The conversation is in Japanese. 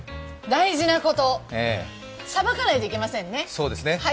大事なこと、さばかないといけませんね。